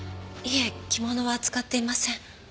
いえ着物は扱っていません。